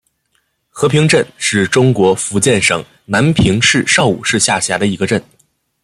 和平镇是中国福建省南平市邵武市下辖的一个镇。